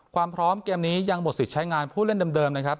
ความพร้อมเกมนี้ยังหมดสิทธิ์ใช้งานผู้เล่นเดิมนะครับ